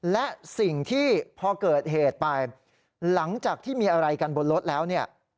และสิ่งที่พอเกิดเหตุไปหลังจากที่มีอะไรกันบนรถแล้วเนี่ย